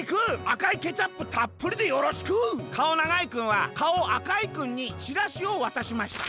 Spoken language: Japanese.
あかいケチャップたっぷりでよろしく！』かおながいくんはかおあかいくんにチラシをわたしました。